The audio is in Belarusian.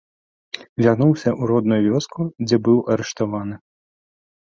Вярнуўся ў родную вёску, дзе быў арыштаваны.